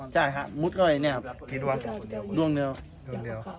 ใช่ฮะมุดเข้าไปเนี้ยอ่ะคิดว่าดวงเดียวดวงเดียว